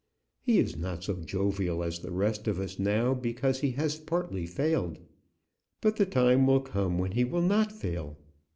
He is not so jovial as the rest of us now, because he has partly failed; but the time will come when he will not fail."